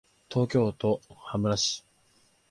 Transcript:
東京都羽村市